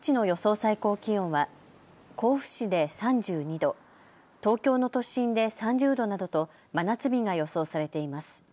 最高気温は甲府市で３２度、東京の都心で３０度などと真夏日が予想されています。